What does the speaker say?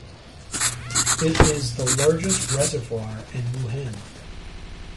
It is the largest reservoir in Wuhan.